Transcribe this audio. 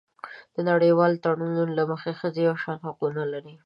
د نړیوالو تړونونو له مخې ښځې یو شان حقونه لري.